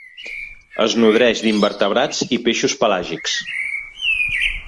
Es nodreix d'invertebrats i peixos pelàgics.